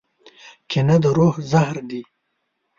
کینه د روح زهر دي.